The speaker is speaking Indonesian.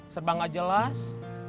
serba nggak jelas